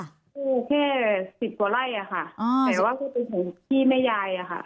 ก็แค่สิบกว่าไร่ค่ะแต่ว่าก็เป็นของขี้แม่ยายค่ะ